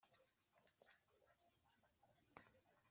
Ihaga amabondo iziba imihanda